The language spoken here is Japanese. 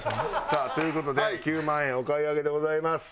さあという事で９万円お買い上げでございます。